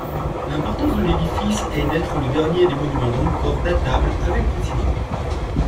L’importance de l’édifice est d'être le dernier des monuments d'Angkor datable avec précision.